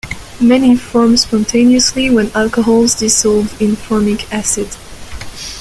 Many form spontaneously when alcohols dissolve in formic acid.